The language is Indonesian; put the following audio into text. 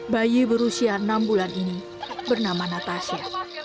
bayi berusia enam bulan ini bernama natasha